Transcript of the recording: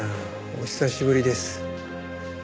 お久しぶりです。